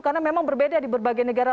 karena memang berbeda di berbagai negara